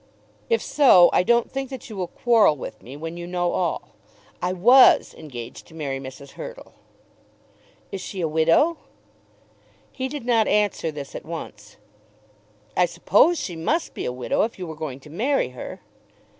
"If so, I don't think that you will quarrel with me when you know all. I was engaged to marry Mrs. Hurtle." "Is she a widow?" He did not answer this at once. "I suppose she must be a widow if you were going to marry her."